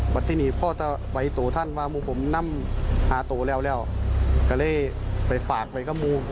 วัดที่นี่พ่อเต้าไว้โตท่านว่ามูผมน้ำหาโตแล้วแล้วก็เลยไปฝากไว้กับมู